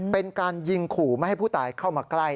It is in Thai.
เป็นการยิงขู่ไม่ให้ผู้ตายเข้ามาใกล้